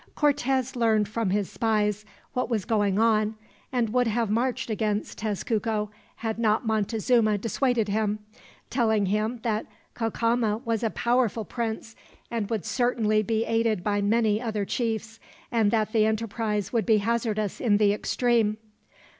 Cortez learned from his spies what was going on, and would have marched against Tezcuco, had not Montezuma dissuaded him; telling him that Cacama was a powerful prince, and would certainly be aided by many other chiefs, and that the enterprise would be hazardous in the extreme.